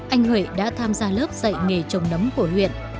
anh huệ đã tham gia lớp dạy nghề trồng nấm của huyện